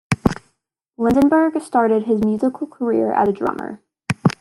Lindenberg started his musical career as a drummer.